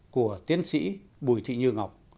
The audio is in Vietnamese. của tiến sĩ bùi thị như ngọc